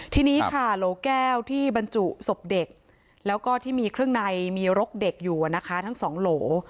ทีนี้ค่ะโหลแก้วที่บรรจุศพเด็กแล้วก็ที่มีเครื่องในมีรกเด็กอยู่นะคะทั้งสองโหล